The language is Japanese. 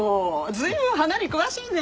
随分花に詳しいね。